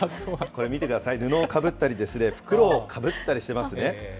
これ見てください、布をかぶったり、袋をかぶったりしてますね。